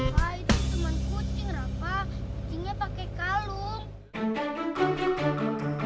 wah itu teman kucing rafa kucingnya pakai kalung